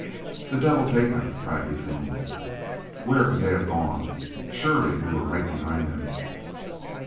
"The devil take them," cried De Fulm. "Where can they have gone? Surely we were right behind them."